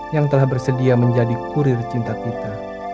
yang telah bersedia menjadi kurir cinta kita